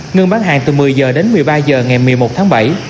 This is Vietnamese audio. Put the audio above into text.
ngưng bán hàng từ một mươi giờ đến một mươi ba giờ ngày một mươi một tháng bảy